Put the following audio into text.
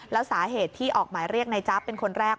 แล้วสาเหตุที่ออกหมายเรียกในจ๊บเป็นคนแรก